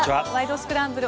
スクランブル」